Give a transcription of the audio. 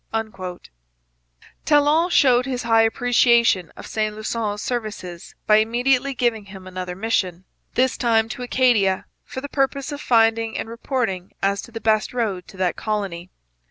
Talon showed his high appreciation of Saint Lusson's services by immediately giving him another mission this time to Acadia, for the purpose of finding and reporting as to the best road to that colony.